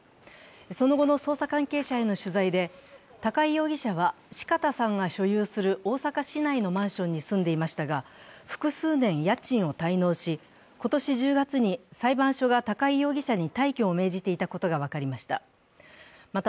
その後の捜査関係者への取材で、高井容疑者は四方さんが所有する大阪市内のマンションに住んでいましたが複数年、家賃を滞納し、今年１０月に裁判所が高井容疑者に退去を命じていたことが分かりました。